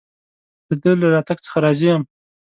د ده له راتګ څخه راضي یم.